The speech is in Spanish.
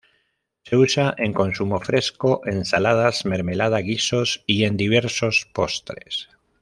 Se usa en consumo fresco, ensaladas, mermelada, guisos, y en diversos postres.